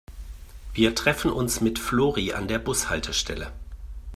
Wir treffen uns mit Flori an der Bushaltestelle.